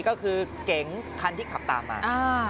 ก็คือเก๋งคันที่ขับตามมา